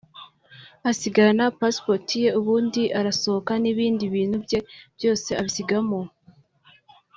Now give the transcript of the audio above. asigarana passport ye ubundi arasohoka n’ibindi bintu bye byose abisigamo